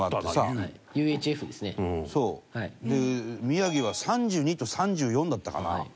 宮城は、３２と３４だったかな。